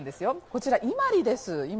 こちら、伊万里です。